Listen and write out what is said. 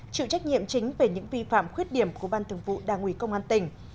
chịu trách nhiệm chính về những vi phạm khuyết điểm của ban thường vụ đảng ủy công an tỉnh